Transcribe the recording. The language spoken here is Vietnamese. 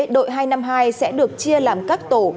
đội hai trăm năm mươi hai sẽ được chia làm các tổ